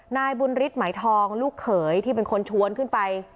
นายบุญฤทธิ์ไหมทองลูกเขยที่เป็นคนชวนขึ้นไป